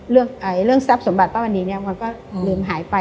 เรื่องทรัพย์สมบัติป้ามณีเนี่ยมันก็ลืมหายไป